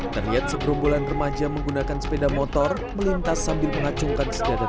terlihat seberombolan remaja menggunakan sepeda motor melintas sambil mengacungkan sederet